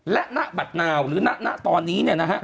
และหน้าบัดหนาวหรือหน้าตอนนี้